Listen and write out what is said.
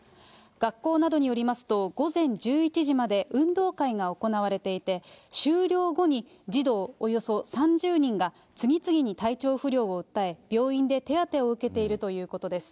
学校などによりますと、午前１１時まで運動会が行われていて、終了後に児童およそ３０人が次々に体調不良を訴え、病院で手当てを受けているということです。